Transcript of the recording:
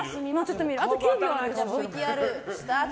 ＶＴＲスタート！